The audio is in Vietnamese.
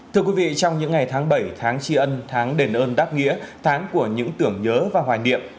thưa quý vị trong những ngày tháng bảy tháng tri ân tháng đền ơn đáp nghĩa tháng của những tưởng nhớ và hoài niệm